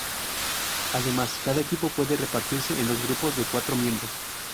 Además, cada equipo puede repartirse en dos grupos de cuatro miembros.